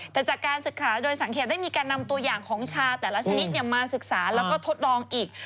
แต่จากการศึกษาโดยสังเกตได้มีการนำตัวอย่างของชาแต่ละชนิดมาศึกษาแล้วก็ทดลองอีก